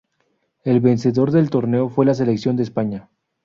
El vencedor del torneo fue la selección de España.